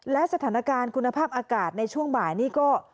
และสถานการณ์คุณภาพอากาศในช่วงบ่ายนี้ก็